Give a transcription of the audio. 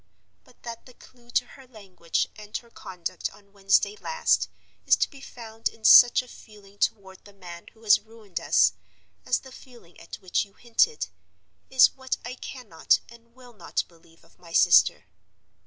But that the clue to her language and her conduct on Wednesday last is to be found in such a feeling toward the man who has ruined us, as the feeling at which you hinted, is what I cannot and will not believe of my sister.